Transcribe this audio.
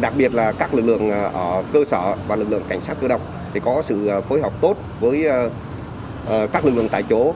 đặc biệt là các lực lượng ở cơ sở và lực lượng cảnh sát cơ động có sự phối hợp tốt với các lực lượng tại chỗ